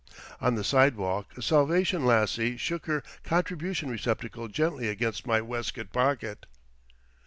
On the sidewalk a Salvation lassie shook her contribution receptacle gently against my waistcoat pocket.